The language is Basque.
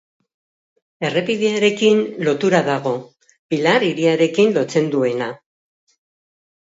Errepidearekin lotura dago, Pilar hiriarekin lotzen duena.